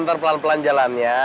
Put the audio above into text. ntar pelan pelan jalannya